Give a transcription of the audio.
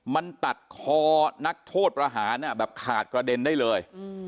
มันตัดคอนักโทษประหารแบบขาดกระเด็นได้เลย